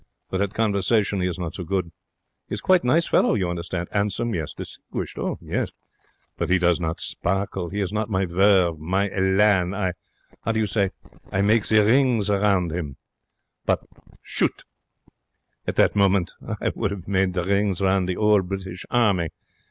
But at conversation he is not so good. He is quite nice fellow, you understand 'andsome, yes; distinguished, yes. But he does not sparkle. He has not my verve, my elan. I how do you say? I make the rings round him. But, Chut! At that moment I would have made the rings round the 'ole British Army.